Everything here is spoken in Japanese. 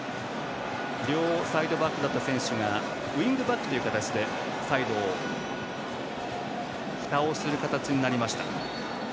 両サイドバックだった選手がウィングバックという形でサイドをふたをする形になりました。